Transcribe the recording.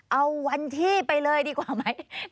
เอาวันที่ไปเลยดีกว่าไหม